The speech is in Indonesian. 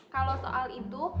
kalau soal itu